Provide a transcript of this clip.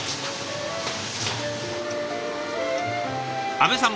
阿部さん